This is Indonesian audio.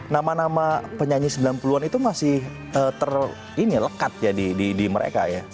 nama nama penyanyi sembilan puluh an itu masih terlekat ya di mereka ya